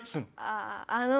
あああの。